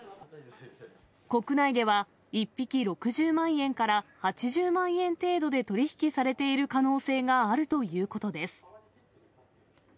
国内では１匹６０万円から８０万円程度で取り引きされている可能性があるということです。